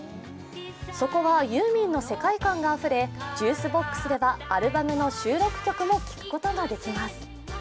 そこはユーミンの世界観があふれ、ジュークボックスではアルバム収録曲も聴くことができます。